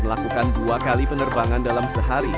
melakukan dua kali penerbangan dalam sehari